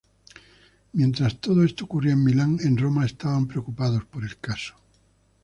Mientras todo esto ocurría en Milán, en Roma estaban preocupados por el caso.